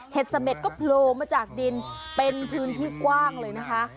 เสม็ดก็โผล่มาจากดินเป็นพื้นที่กว้างเลยนะคะ